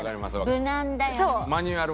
無難だよね。